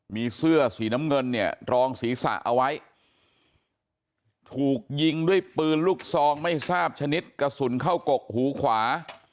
มีเสื้อสีน้ำเงินเนี่ยรองศีรษะเอาไว้ถูกยิงด้วยปืนลูกซองไม่ทราบชนิดกระสุนเข้ากกหูขวา